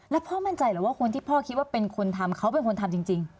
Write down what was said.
แล้วพ่อมั่นใจเหรอว่าคนที่พ่อคิดว่าเป็นคนทำเขาเป็นคนทำจริง